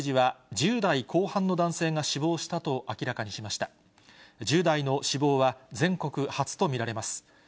１０代の死亡は全国初と見られます。